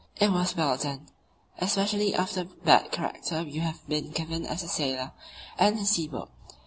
It was well done, especially after the bad character you have been given as a sailer and a sea boat.